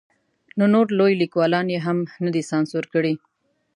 نو نور لوی لیکوالان یې هم نه دي سانسور کړي.